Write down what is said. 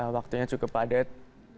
waktunya cukup adat